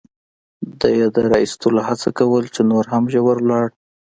ده یې د را اېستلو هڅه کول، چې نور هم ژور ولاړ.